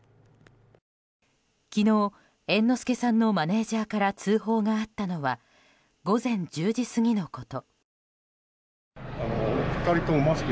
昨日、猿之助さんのマネジャーから通報があったのは午前１０時過ぎのこと。